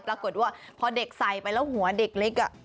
ปรากฏว่าพอเด็กใส่ไปแล้วหัวเด็กเล็ก